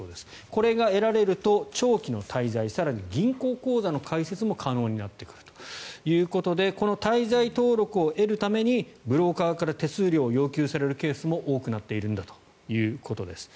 これが得られると長期の滞在更に銀行口座の開設も可能になってくるということでこの滞在登録を得るためにブローカーから手数料を要求されるケースも多くなっているんだということです。